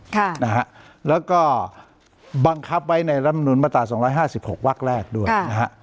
ค่ะนะฮะแล้วก็บังคับไว้ในรัฐมนุนมาตราสองร้อยห้าสิบหกวักแรกด้วยนะฮะ